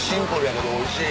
けどおいしい。